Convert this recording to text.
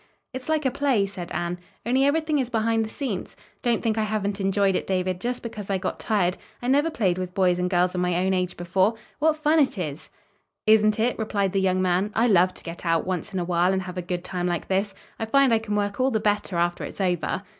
"It's like a play," said Anne, "only everything is behind the scenes. Don't think I haven't enjoyed it, David, just because I got tired. I never played with boys and girls of my own age before. What fun it is!" "Isn't it?" replied the young man, "I love to get out, once in a while, and have a good time like this. I find I can work all the better after it's over."